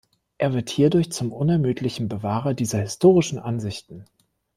Er wird hierdurch zum unermüdlichen Bewahrer dieser historischen Ansichten.